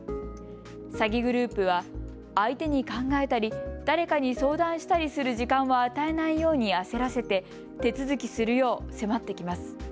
詐欺グループは相手に考えたり誰かに相談したりする時間を与えないように焦らせて手続きするよう迫ってきます。